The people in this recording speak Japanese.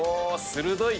鋭い！